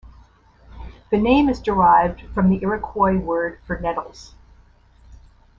The name is derived from the Iroquois word for nettles.